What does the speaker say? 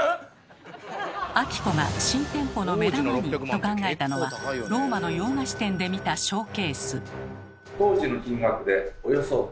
⁉彬子が新店舗の目玉にと考えたのはローマの洋菓子店で見たショーケース。